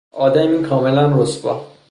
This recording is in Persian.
آدمی کاملا رسوا